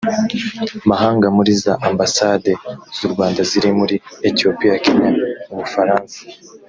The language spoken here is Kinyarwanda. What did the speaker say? mahanga muri za ambasade z u rwanda ziri muri ethiopia kenya ubufaransa